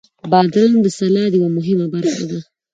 بادرنګ د سلاد یوه مهمه برخه ده.